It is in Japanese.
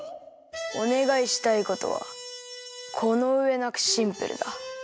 おねがいしたいことはこのうえなくシンプルだ。